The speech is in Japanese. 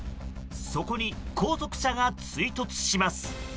そこに後続車が追突します。